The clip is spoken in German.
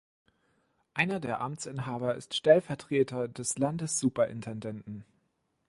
Einer der Amtsinhaber ist Stellvertreter des Landessuperintendenten.